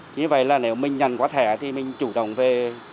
chỉ vậy là nếu mình nhận quả thẻ thì mình chủ động về